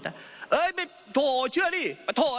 เฮ้ยไม่โถเชื่อนี่โถ